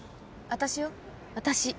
私よ私。